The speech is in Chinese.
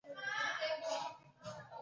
冯静波最终决定自首。